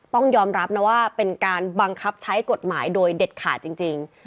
ต้องยอมรับนะว่าเป็นการบังคับใช้กฎหมายโดยเด็ดขาดจริง